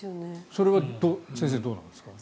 それは先生、どうなんですか？